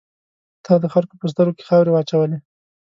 تا د خلکو په سترګو کې خاورې واچولې.